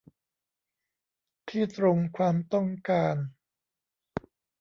ที่ตรงความต้องการ